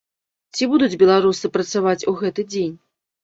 Ці будуць беларусы працаваць у гэты дзень?